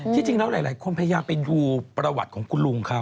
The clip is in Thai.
จริงแล้วหลายคนพยายามไปดูประวัติของคุณลุงเขา